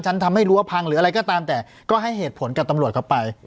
ทำให้รั้วพังหรืออะไรก็ตามแต่ก็ให้เหตุผลกับตำรวจเข้าไป